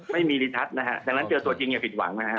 ไม่มีลิทัศน์นะฮะดังนั้นเจอตัวจริงอย่าผิดหวังนะฮะ